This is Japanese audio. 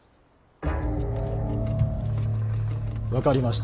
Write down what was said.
分かりました。